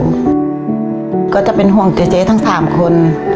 ก็จะเป็นห่วงเจ๊ทั้ง๓คน